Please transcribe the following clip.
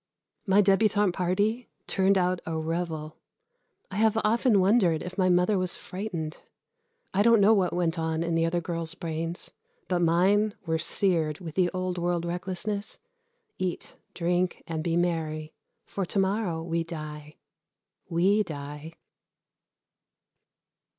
My débutante party turned out a revel. I have often wondered if my mother was frightened. I don't know what went on in the other girls' brains, but mine were seared with the old world recklessness "Eat, drink, and be merry, for to morrow we die." We die!